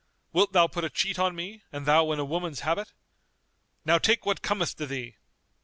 Wilt thou put a cheat on me and thou in a woman's habit? Now take what cometh to thee!"